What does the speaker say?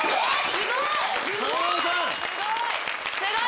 ・すごい！